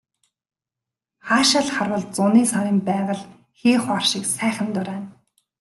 Хаашаа л харвал зуны сарын байгаль хээ хуар шиг сайхан дурайна.